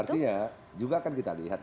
artinya juga akan kita lihat